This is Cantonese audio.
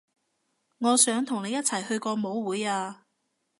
我想同你一齊去個舞會啊